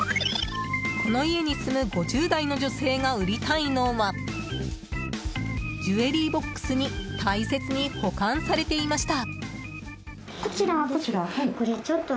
この家に住む５０代の女性が売りたいのはジュエリーボックスに大切に保管されていました。